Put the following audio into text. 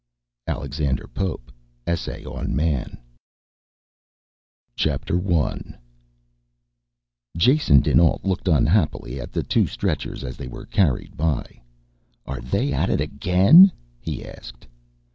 Alexander Pope Essay on Man I Jason dinAlt looked unhappily at the two stretchers as they were carried by. "Are they at it again?" he asked.